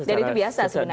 dan itu biasa sebenarnya